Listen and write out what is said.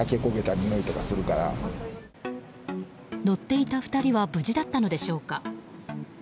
乗っていた２人は無事だったのでしょうか。